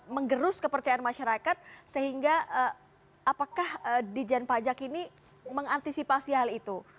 mengerus kepercayaan masyarakat sehingga apakah di jen pajak ini mengantisipasi hal itu